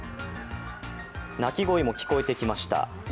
鳴き声も聞こえてきました。